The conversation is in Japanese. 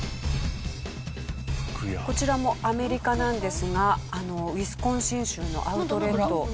こちらもアメリカなんですがウィスコンシン州のアウトレット。